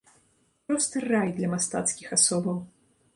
Проста рай для мастацкіх асобаў!